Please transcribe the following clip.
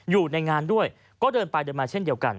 อยู่ในงานด้วยก็เดินไปเดินมาเช่นเดียวกัน